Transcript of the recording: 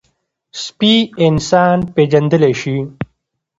سپي انسان پېژندلی شي.